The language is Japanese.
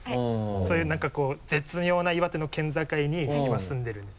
そういう何かこう絶妙な岩手の県境に今住んでるんです。